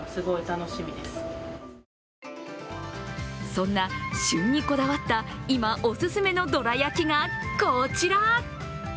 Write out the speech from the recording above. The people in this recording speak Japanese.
そんな旬にこだわった今お勧めのどら焼がこちら。